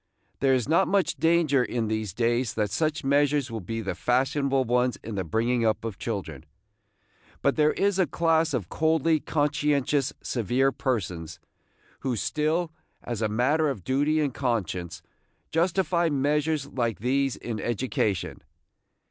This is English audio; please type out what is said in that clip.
There is not much danger in these days that such measures will be the fashionable ones in the bringing up of children. But there is a class of coldly conscientious, severe persons, who still, as a matter of duty and conscience, justify measures like these in education.